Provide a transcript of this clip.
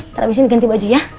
ntar abis ini ganti baju ya